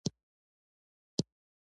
چې له اصطلاحاتو څنګه برداشت اخلي.